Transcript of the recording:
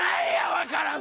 「分からん」